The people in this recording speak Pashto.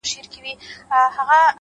درد وچاته نه ورکوي!!